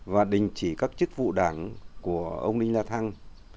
và đình chỉ các chức vụ đảng của ông đinh la thăng